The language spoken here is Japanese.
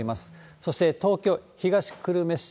そして東京・東久留米市。